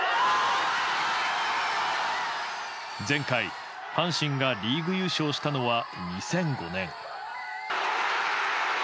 前回、阪神がリーグ優勝したのは２００５年。